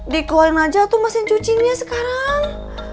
dikeluarin aja tuh mesin cucinya sekarang